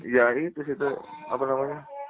ya itu sih itu apa namanya